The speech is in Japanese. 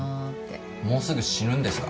もうすぐ死ぬんですか？